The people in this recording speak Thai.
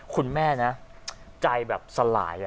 คุณแม่นะใจแบบสลาย